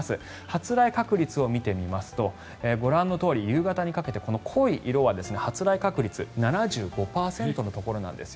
発雷確率を見てみますとご覧のとおり、夕方にかけてこの濃い色は発雷確率７５％のところです。